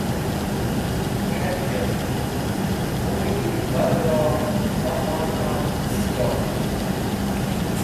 K̃hẽnetkv khuyi bad ro bẽhana bisyor.